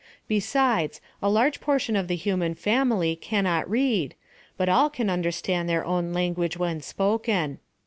Be sides, a large proportion of the human family can not read, but all can understand their own language when spoken.